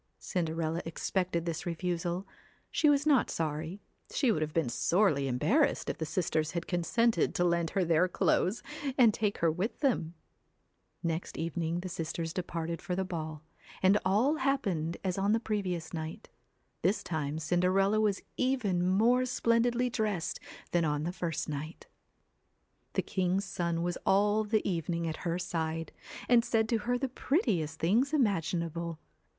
Cinderella expected this refusal. She was not sorry ; she would have been sorely embarrassed if the sisters had consented to lend her their clothes, and take her with them. Next evening the sisters departed for the ball, and all happened as on the previous night. This time Cinderella was even more splendidly dressed than on the first night. The king's son was all the evening at her side, and said to her the prettiest things imaginable.